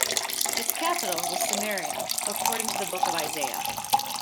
Its capital was Samaria according to the Book of Isaiah.